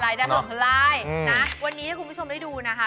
ลายได้ตรงขนลายนะวันนี้ถ้าคุณผู้ชมได้ดูนะคะ